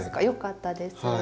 よかったです。